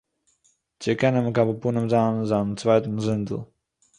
צו קענען מקבל פּנים זיין זיין צווייטן זונדל